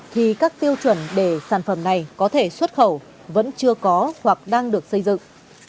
thì các tiêu chuẩn để sản phẩm này có thể xuất khẩu vẫn chưa có hoặc đang được xây dựng